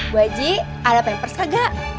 bu haji ada pampers kagak